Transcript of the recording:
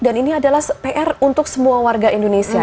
dan ini adalah pr untuk semua warga indonesia